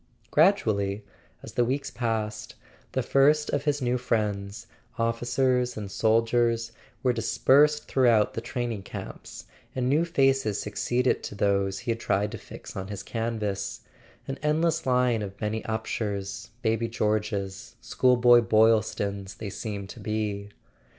.. Gradually, as the weeks passed, the first of his new friends, officers and soldiers, were dispersed through¬ out the training camps, and new faces succeeded to those he had tried to fix on his canvas; an endless line of Benny Upshers, baby Georges, schoolboy Boylstons, they seemed to be.